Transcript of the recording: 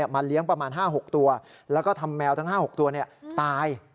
เลี้ยงประมาณ๕๖ตัวแล้วก็ทำแมวทั้ง๕๖ตัวตาย